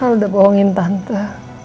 al udah bohongin tante